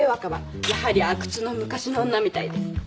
やはり阿久津の昔の女みたいです。